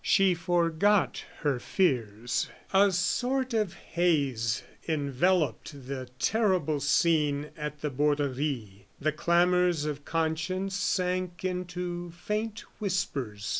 She forgot her fears; a sort of haze enveloped the terrible scene at the Borderie; the clamors of conscience sank into faint whispers.